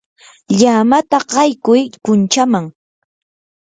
llamata qaykuy kunchaman.